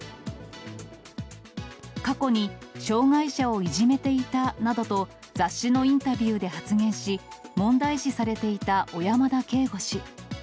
過去に障がい者をいじめていたなどと、雑誌のインタビューで発言し、問題視されていた小山田圭吾氏。